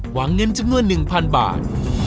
หวังเงินจำนวน๑๐๐๐บาท